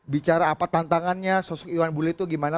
bicara apa tantangannya sosok iwan bule itu gimana